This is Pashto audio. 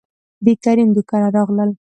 دکريم دو کره راغلل،